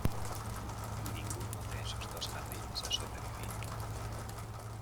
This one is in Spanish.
Ninguno de esos dos jardines ha sobrevivido.